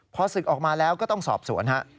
พอศึกออกมาแล้วก็ต้องสอบสวนฮะ